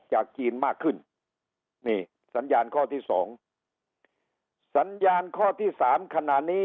จากจีนมากขึ้นนี่สัญญาณข้อที่สองสัญญาณข้อที่สามขณะนี้